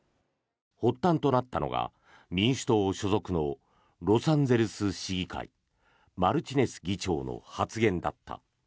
発端となったのが民主党所属のロサンゼルス市議会マルティネス議長の発言だった。